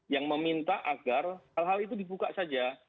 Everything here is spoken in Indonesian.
yang meminta agar hal hal itu dibuka saja